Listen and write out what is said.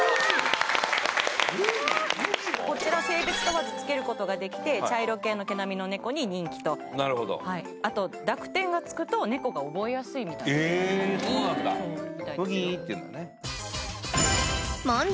こちら性別問わずつけることができて茶色系の毛並みのネコに人気となるほどあと濁点がつくとネコが覚えやすいみたいですえっそうなんだ